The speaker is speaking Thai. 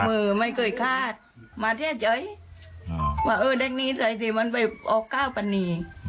มือไม่เคยคาดมาเทศเฉยว่าเออเด็กนี้ใส่สิมันไปออกเก้าปณี